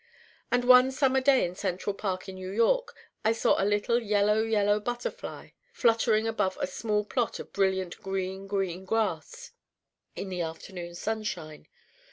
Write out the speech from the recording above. And one summer day in Central Park in New York I saw a little Yellow Yellow Butterfly fluttering above a small plot of brilliant Green Green Grass in the afternoon sunshine.